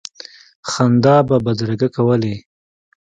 خندا به بدرګه کولې.